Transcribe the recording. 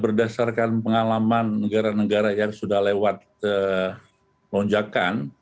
berdasarkan pengalaman negara negara yang sudah lewat lonjakan